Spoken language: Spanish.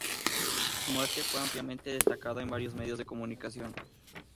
Su muerte fue ampliamente destacada en varios medios de comunicación.